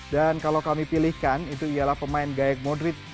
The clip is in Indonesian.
dan kalau kami pilihkan itu ialah pemain gayak modric